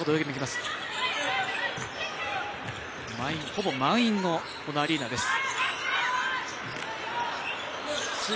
ほぼ満員のアリーナです。